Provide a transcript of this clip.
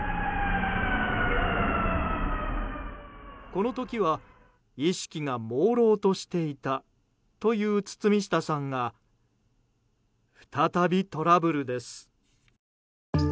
この時は意識がもうろうとしていたという堤下さんが、再びトラブルです。